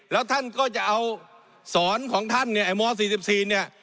แล้วท่านก็จะเอาสอนของท่านเนี่ยไอ้ม๔๔เนี่ย